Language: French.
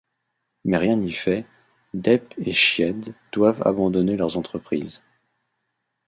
Mais rien n'y fait, Deppe et Schiede doivent abandonner leurs entreprises.